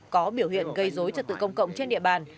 có biểu hiện gây dối trật tự công cộng trên địa bàn